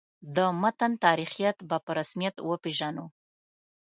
د متن تاریخیت به په رسمیت وپېژنو.